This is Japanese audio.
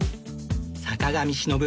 坂上忍